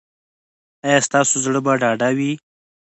ایا ستاسو زړه به ډاډه وي؟